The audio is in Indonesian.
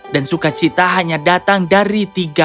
dan sukacita hanya datang dari tiga hal